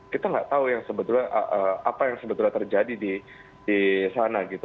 kita nggak tahu apa yang sebetulnya terjadi di sana